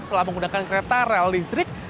setelah menggunakan kereta rel listrik